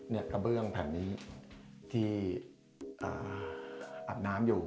กระเบื้องแผ่นนี้ที่อาบน้ำอยู่